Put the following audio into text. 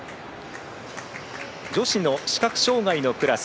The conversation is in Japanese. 女子の視覚障がいのクラス。